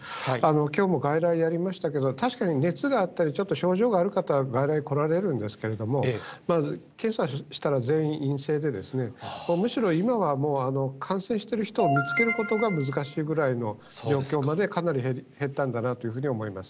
きょうも外来やりましたけど、確かに熱があったり、ちょっと症状がある方は外来来られるんですけれども、検査したら全員陰性で、むしろ今は、もう感染している人を見つけることが難しいぐらいの状況までかなり減ったんだなというふうに思います。